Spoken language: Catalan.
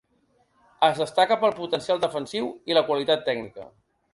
Es destaca pel potencial defensiu i la qualitat tècnica.